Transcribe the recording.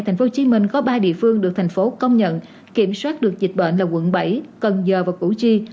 thành phố hồ chí minh có ba địa phương được thành phố công nhận kiểm soát được dịch bệnh là quận bảy cần giờ và củ chi